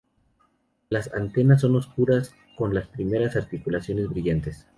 Las antenas son oscuras, con las primeras articulaciones brillantes.